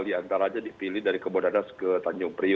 di antara aja dipilih dari kebodadas ke tanjung priu